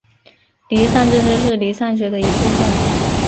离散政治是离散学的一部份。